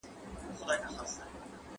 زه به اوږده موده نان خوړلی وم